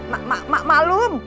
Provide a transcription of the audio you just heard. mak mak mak malum